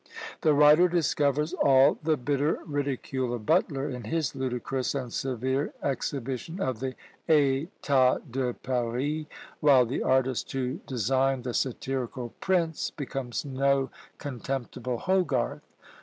The writer discovers all the bitter ridicule of Butler in his ludicrous and severe exhibition of the "Etats de Paris," while the artist who designed the satirical prints becomes no contemptible Hogàrth.